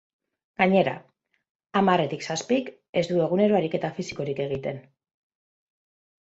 Gainera, hamarretik zazpik ez du egunero ariketa fisikorik egiten.